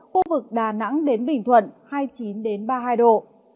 khu vực đà nẵng đến bình thuận hai mươi chín ba mươi hai độ